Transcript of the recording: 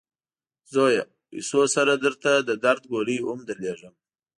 زویه! پیسو سره درته د درد ګولۍ هم درلیږم.